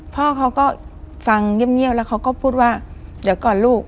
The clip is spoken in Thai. พ่อเขาก็ฟังเงียบแล้วเขาก็พูดว่าเดี๋ยวก่อนลูก